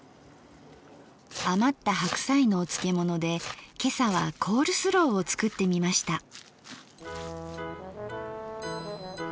余った白菜のお漬物で今朝はコールスローを作ってみました。